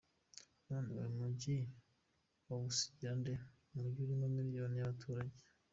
None uyu mujyi wawusigira nde, umujyi urimo miliyoni y’abaturage ?”.